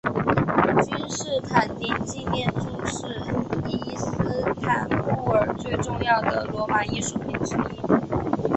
君士坦丁纪念柱是伊斯坦布尔最重要的罗马艺术品之一。